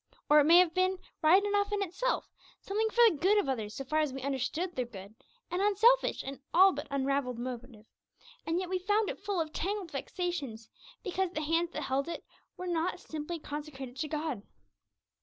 Or it may have been right enough in itself, something for the good of others so far as we understood their good, and unselfish in all but unravelled motive, and yet we found it full of tangled vexations, because the hands that held it were not simply consecrated to God.